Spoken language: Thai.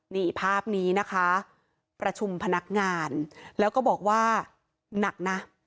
นี่ภาพนี้นะคะประชุมพนักงานแล้วก็บอกว่าหนักนะ